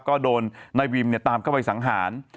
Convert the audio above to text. ก็โดนนายวิมตามเข้าไปสังหาร